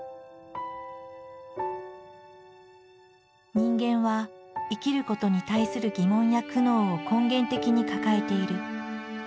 「人間は生きることに対する疑問や苦悩を根源的に抱えている」。